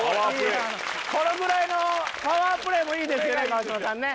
このぐらいのパワープレイもいいですよね